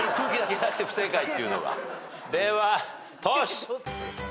ではトシ。